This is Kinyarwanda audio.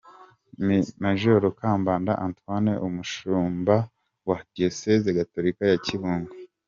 Mgr Kambanda Antoine umushumba wa Diyosezi gatorika ya Kibungo.